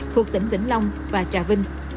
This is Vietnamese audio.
thuộc tỉnh tỉnh long và trà vinh